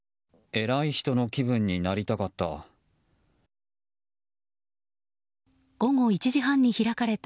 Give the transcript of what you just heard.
偉い人の気分になりたかった。